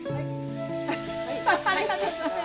ありがとうございます。